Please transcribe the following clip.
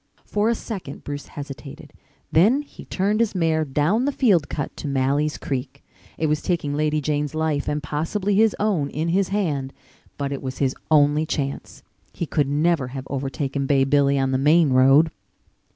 For a second Bruce hesitated. Then he turned his mare down the field cut to Malley's Creek. It was taking Lady Jane's life and possibly his own in his hand, but it was his only chance. He could never have overtaken Bay Billy on the main road.